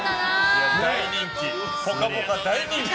「ぽかぽか」大人気。